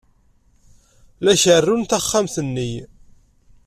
La kerrun taxxamt-nni.